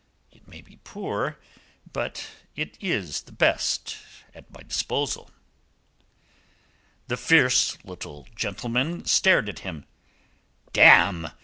It may be poor, but it is the best at my disposal." The fierce little gentleman stared at him. "Damme!